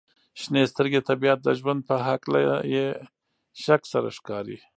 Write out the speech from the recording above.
• شنې سترګې د طبیعت د ژوند په هکله بې شک سره ښکاري.